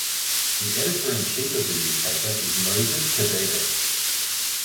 The Editor in Chief of the newspaper is Moges Kebede.